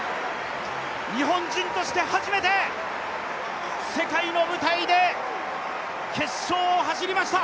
日本人として初めて世界の舞台で決勝を走りました！